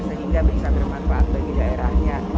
sehingga bisa bermanfaat bagi daerahnya